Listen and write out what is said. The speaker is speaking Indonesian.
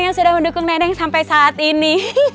yang sudah mendukung neneng sampai saat ini